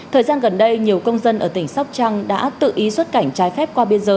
thời gian gần đây nhiều công dân ở tỉnh sóc trăng đã tự ý xuất cảnh trái phép